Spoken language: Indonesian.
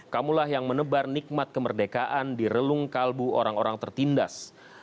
kamulah yang menebar nikmat kemerdekaan di relung kalbu orang orang tertindas